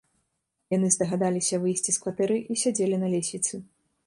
Яны здагадаліся выйсці з кватэры і сядзелі на лесвіцы.